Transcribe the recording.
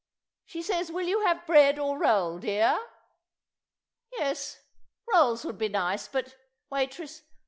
She says will you have bread or roll, dear? ... Yes, rolls would be nice, but—— Waitress!